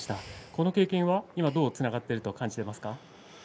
その経験はどうつながっていると思いますか。